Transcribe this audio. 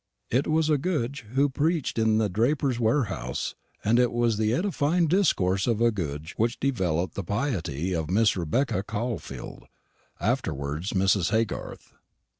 It was a Goodge who preached in the draper's warehouse, and it was the edifying discourse of a Goodge which developed the piety of Miss Rebecca Caulfield, afterwards Mrs. Haygarth.